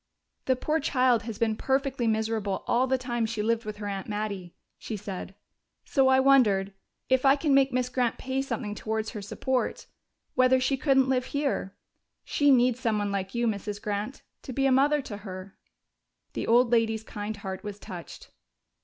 "The poor child has been perfectly miserable all the time she lived with her aunt Mattie," she said. "So I wondered if I can make Miss Grant pay something towards her support whether she couldn't live here. She needs someone like you, Mrs. Grant, to be a mother to her." The old lady's kind heart was touched.